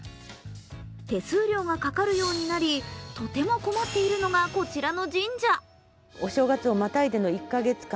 手数料がかかるようになり、とても困っているのがこちらの神社。